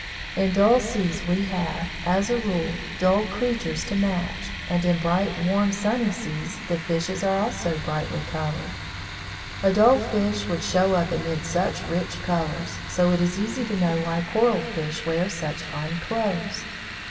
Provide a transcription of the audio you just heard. In dull seas we have, as a rule, dull creatures to match. And in bright, warm, sunny seas the fishes are also brightly coloured. A dull fish would show up amid such rich colours, so it is easy to know why Coral fish wear such fine clothes.